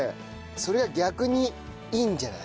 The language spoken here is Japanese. それが逆にいいんじゃない？